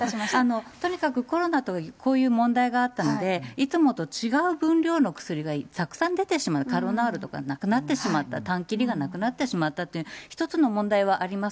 とにかくコロナとこういう問題があったので、いつもと違う分量の薬がたくさん出てしまう、カロナールとかなくなってしまった、たん切りがなくなってしまったという、一つの問題はあります。